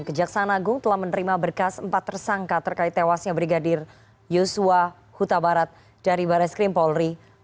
kejaksaan agung telah menerima berkas empat tersangka terkait tewasnya brigadir yosua huta barat dari baris krim polri